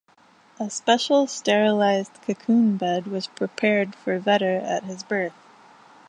A special sterilized cocoon bed was prepared for Vetter at his birth.